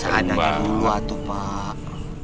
seandainya dua tuh pak